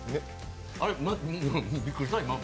あれ、びっくりした。